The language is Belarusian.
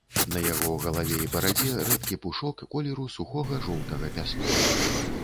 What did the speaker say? На яго галаве і барадзе рэдкі пушок колеру сухога жоўтага пяску.